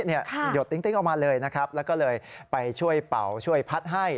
หยดติ๊งออกมาเลยนะครับแล้วก็เลยไปช่วยเป่าช่วยพัดให้